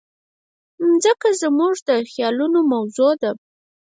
مځکه زموږ د خیالونو موضوع ده.